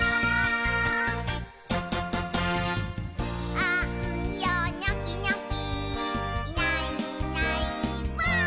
「あんよニョキニョキいないいないばぁ！」